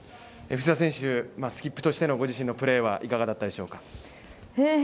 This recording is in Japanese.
藤澤選手、スキップとしてのご自身のプレーはいかがだったでしょうか。